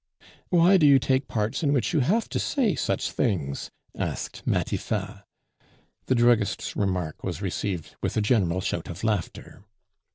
"Why do you take parts in which you have to say such things?" asked Matifat. The druggist's remark was received with a general shout of laughter.